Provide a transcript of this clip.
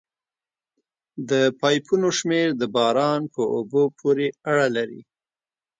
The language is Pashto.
د پایپونو شمېر د باران په اوبو پورې اړه لري